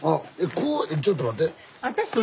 こうちょっと待って。